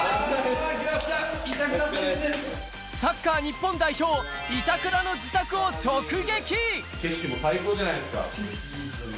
サッカー日本代表・板倉の自宅を直撃！